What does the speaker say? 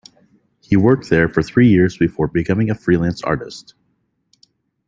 He worked there for three years before becoming a freelance artist.